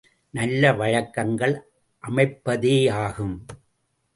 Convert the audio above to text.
நல்ல வழக்கங்கள் அமைப்பதேயாகும்.